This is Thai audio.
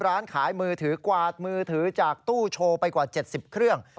ร้านขายมือถือกวาดมือถือจากตู้โชว์ไปกว่า๗๐เครื่อง